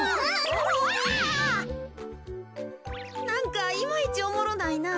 なんかいまいちおもろないな。